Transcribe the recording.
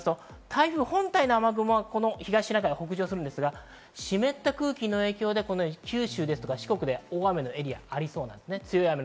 台風本体の雨雲は東シナ海を北上しますが湿った空気の影響で九州や四国で大雨のエリアがありそうです。